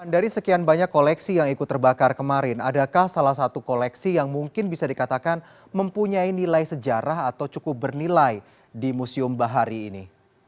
dari sekian banyak koleksi yang ikut terbakar kemarin adakah salah satu koleksi yang mungkin bisa dikatakan mempunyai nilai sejarah atau cukup bernilai di museum bahari ini